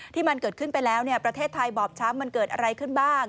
ที่มันเกิดขึ้นไปแล้วประเทศไทยบอบช้ำมันเกิดอะไรขึ้นบ้าง